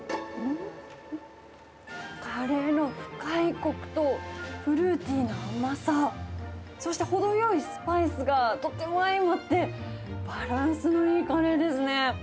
カレーの深いこくと、フルーティーな甘さ、そして程よいスパイスがとても相まって、バランスのいいカレーですね。